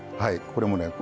これもね